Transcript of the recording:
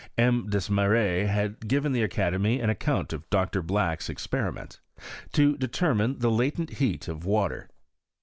M. Des marets had given the academy an account of Dr. Black's experiments, to deleimine the latent heat of water.